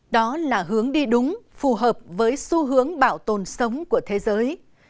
đó là hướng đi đúng phù hợp với xu hướng bảo tồn sống của thế giới